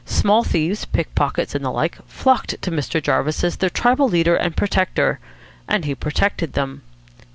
Small thieves, pickpockets and the like, flocked to Mr. Jarvis as their tribal leader and protector and he protected them.